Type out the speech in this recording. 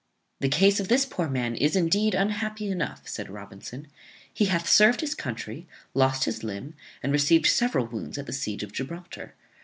"The case of this poor man is, indeed, unhappy enough," said Robinson. "He hath served his country, lost his limb, and received several wounds at the siege of Gibraltar.